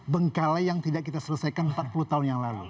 bengkalai yang tidak kita selesaikan empat puluh tahun yang lalu